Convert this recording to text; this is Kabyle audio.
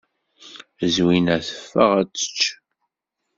Zwina teffeɣ ad tečč.